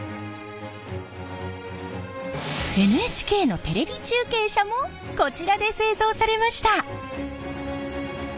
ＮＨＫのテレビ中継車もこちらで製造されました。